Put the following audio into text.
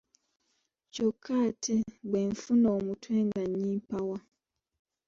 Kyokka ate mbwe nfuna omutwe nga nnyimpawa.